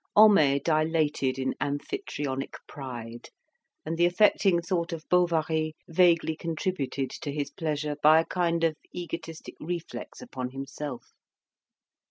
Homais dilated in Amphytrionic pride, and the affecting thought of Bovary vaguely contributed to his pleasure by a kind of egotistic reflex upon himself.